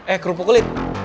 eh kerupuk kulit